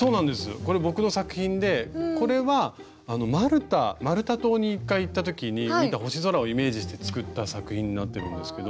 これ僕の作品でこれはマルタ島に一回行った時に見た星空をイメージして作った作品になってるんですけど。